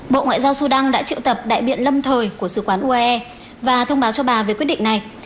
bộ ngoại giao sudan đã triệu tập đại biện lâm thời của sứ quán uae và thông báo cho bà về quyết định này